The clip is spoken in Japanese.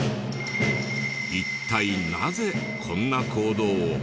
一体なぜこんな行動を？